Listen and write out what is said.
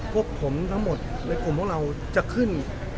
พวกผมทั้งหมดในกลุ่มพวกเราจะขึ้น